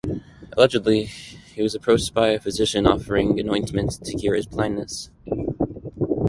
Allegedly, he was approached by a physician offering an ointment to cure his blindness.